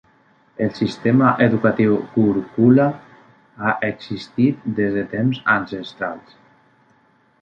El sistema educatiu gurukula ha existit des de temps ancestrals.